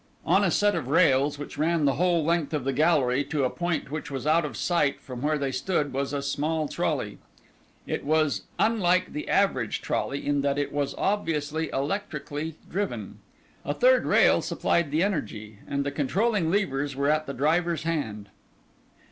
On a set of rails which ran the whole length of the gallery to a point which was out of sight from where they stood, was a small trolley. It was unlike the average trolley in that it was obviously electrically driven. A third rail supplied the energy, and the controlling levers were at the driver's hand.